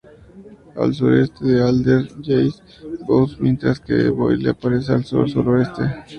Al sureste de Alder yace Bose, mientras que Boyle aparece al sur-suroeste.